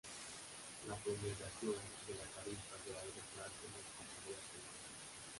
La promulgación de la tarifa de Alves Branco modificaría esta imagen.